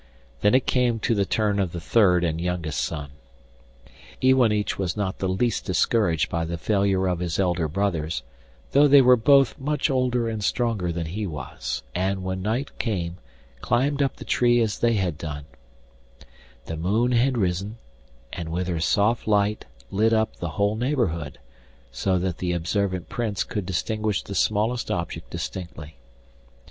Then it came to the turn of the third and youngest son. Iwanich was not the least discouraged by the failure of his elder brothers, though they were both much older and stronger than he was, and when night came climbed up the tree as they had done, The moon had risen, and with her soft light lit up the whole neighbourhood, so that the observant Prince could distinguish the smallest object distinctly.